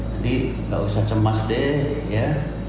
jadi nggak usah cemas deh ya